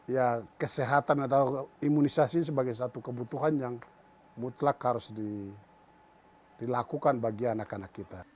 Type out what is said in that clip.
ya kesehatan atau imunisasi sebagai satu kebutuhan yang mutlak harus dilakukan bagi anak anak kita